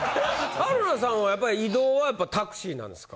春菜さんはやっぱり移動はタクシーなんですか？